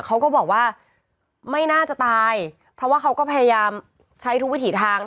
เขาก็บอกว่าไม่น่าจะตายเพราะว่าเขาก็พยายามใช้ทุกวิถีทาง